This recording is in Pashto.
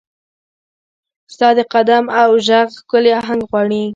ستا د قدم او ږغ، ښکلې اهنګ غواړي